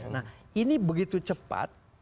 nah ini begitu cepat